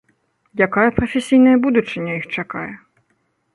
Якая прафесійная будучыня іх чакае?